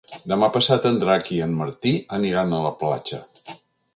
Demà passat en Drac i en Martí aniran a la platja.